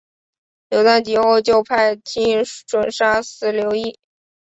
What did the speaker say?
刘粲及后就派靳准杀死刘乂。